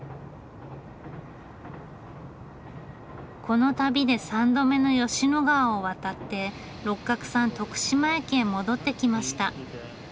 この旅で３度目の吉野川を渡って六角さん徳島駅へ戻ってきました。